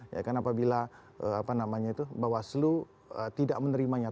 ya kan apabila bawaslu tidak menerimanya